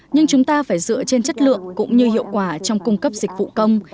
nhưng chúng ta phải dựa trên chất lượng cũng như hiệu quả trong cung cấp dịch vụ công